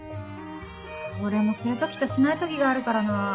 あ俺もするときとしないときがあるからな。